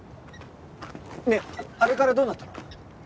ねえあれからどうなったの？